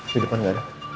di depan gak ada